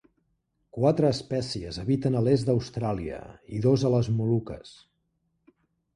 Quatre espècies habiten a l'est d'Austràlia i dos a les Moluques.